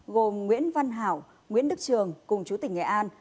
gồm nguyễn văn hảo nguyễn đức trường cùng chú tỉnh nghệ an